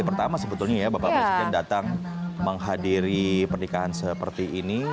pertama sebetulnya ya bapak presiden datang menghadiri pernikahan seperti ini